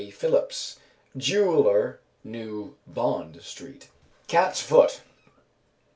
Phillips, jeweller, New Bond Street. _Cat's foot.